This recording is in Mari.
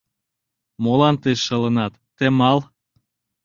Молан тый шылынат, Темал?..